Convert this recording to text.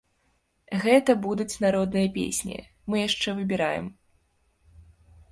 Гэта будуць народныя песні, мы яшчэ выбіраем.